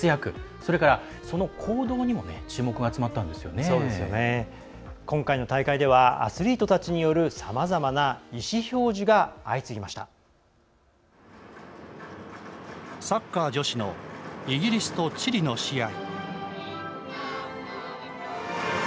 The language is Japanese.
それから、その行動にも今回の大会ではアスリートたちによるさまざまな意思表示がサッカー女子のイギリスとチリの試合。